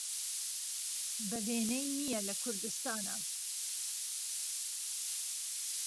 به وێنهی نییه له کوردستانا